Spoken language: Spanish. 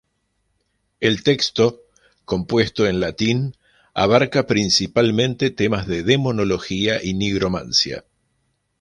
El texto, compuesto en latín, abarca principalmente temas de demonología y nigromancia.